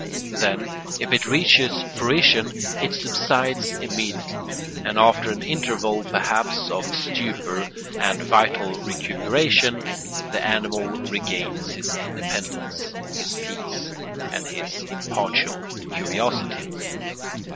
Then, if it reaches fruition, it subsides immediately, and after an interval, perhaps, of stupor and vital recuperation, the animal regains his independence, his peace, and his impartial curiosity.